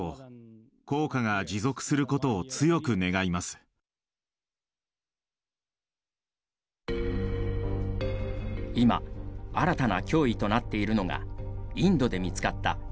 今新たな脅威となっているのがインドで見つかった変異ウイルス。